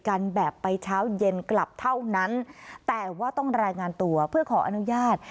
กันแบบไปเช้าเย็นกลับเท่านั้นแต่ว่าต้องรายงานตัวเพื่อขออนุญาต